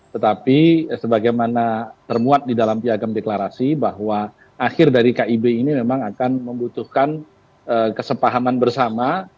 tetapi sebagaimana termuat di dalam piagam deklarasi bahwa akhir dari kib ini memang akan membutuhkan kesepahaman bersama